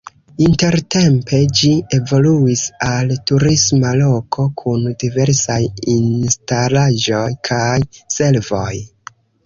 Intertempe ĝi evoluis al turisma loko kun diversaj instalaĵoj kaj servoj.